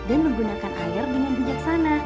dan menggunakan air dengan bijaksana